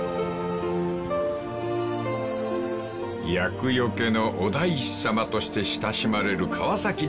［厄除けのお大師さまとして親しまれる］